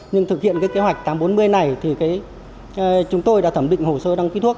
nhưng thực hiện cái kế hoạch tám trăm bốn mươi này thì chúng tôi đã thẩm định hồ sơ đăng ký thuốc